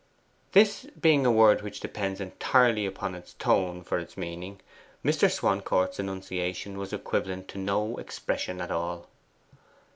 This being a word which depends entirely upon its tone for its meaning, Mr. Swancourt's enunciation was equivalent to no expression at all.